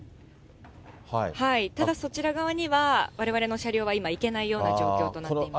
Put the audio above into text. ただそちら側には、われわれの車両は今、行けないような状況となっています。